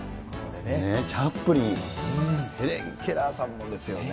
チャップリン、ヘレン・ケラーさんもですよね。